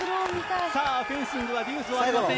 さあ、フェンシングはデュースはありません。